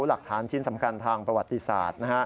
หลักฐานชิ้นสำคัญทางประวัติศาสตร์